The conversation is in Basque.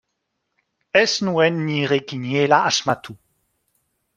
Ez nuen nire kiniela asmatu.